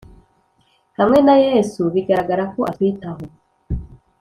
hamwe na Yesu bigaragaza ko atwitaho